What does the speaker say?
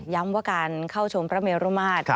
ย้ำว่าการเข้าชมพระมิรุมาตร